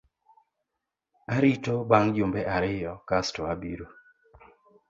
Arito bang’ jumbe ariyo kasto abiro.